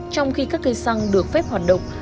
trong khi các cây xăng được phép hoạt động